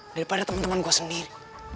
daripada temen temen gue sendiri